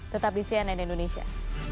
tetap di cnn indonesia